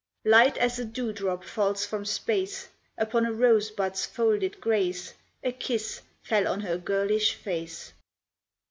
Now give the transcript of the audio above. Light as a dewdrop falls from space Upon a rosebud's folded grace, A kiss fell on her girlish face.